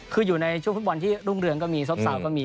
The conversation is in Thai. คืออยู่ในช่วงฟุตบอลที่รุ่งเรืองก็มีซบสาวก็มี